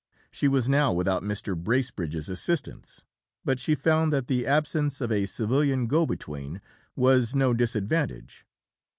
She was now without Mr. Bracebridge's assistance, but she found that the absence of a civilian go between was no disadvantage.